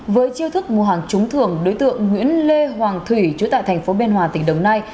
với chiêu thức mua hàng trúng thường đối tượng nguyễn lê hoàng thủy chú tại tp bên hòa tỉnh đồng nai